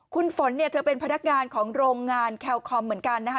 คุณฝนเนี่ยเธอเป็นพนักงานของโรงงานแคลคอมเหมือนกันนะคะ